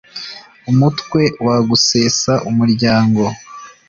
umutwe wa gusesa umuryango